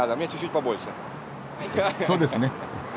そうですね。